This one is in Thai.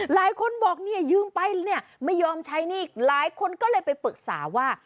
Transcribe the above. หลายคนบอกเนี่ยยืมไปเนี่ยไม่ยอมใช้หนี้หลายคนก็เลยไปปรึกษาว่า